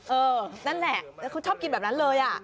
เออนั่นแหละคุณชอบกินแบบนั้นเลย